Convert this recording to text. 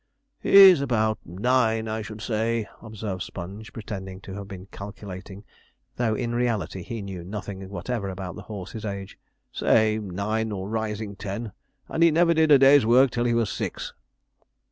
'He's about nine, I should say,' observed Sponge, pretending to have been calculating, though, in reality, he knew nothing whatever about the horse's age. 'Say nine, or rising ten, and never did a day's work till he was six.'